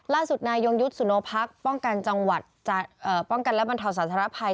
ล่าสุดนายยงยุทธ์สุโนพักษ์ป้องกันและบรรเทาสาธาราภัย